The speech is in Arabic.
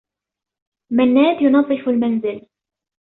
منّاد ينظّف المنزل.